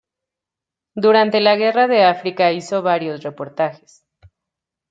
Durante la guerra de África hizo varios reportajes.